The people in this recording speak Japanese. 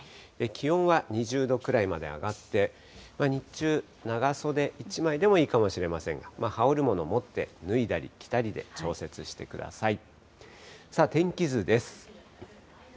気温は２０度くらいまで上がって、日中、長袖１枚でもいいかもしれませんが、羽織るもの持って、脱いだり着たりで、調節してください。